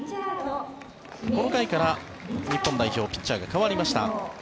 この回から日本代表ピッチャーが代わりました。